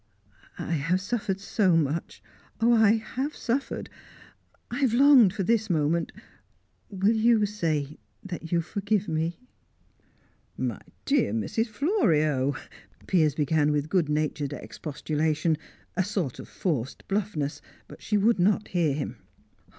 "I have suffered so much oh, I have suffered! I have longed for this moment. Will you say that you forgive me?" "My dear Mrs. Florio" Piers began with good natured expostulation, a sort of forced bluffness; but she would not hear him.